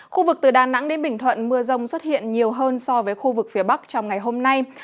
khu vực từ đà nẵng đến bình thuận mưa rông xuất hiện nhiều hơn so với khu vực phía bắc trong ngày hôm nay